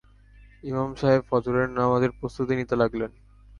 ইমাম সাহেব ফজরের নামাজের প্রস্তুতি নিতে লাগলেন।